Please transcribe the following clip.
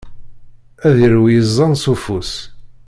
Ad irwi iẓẓan s ufus.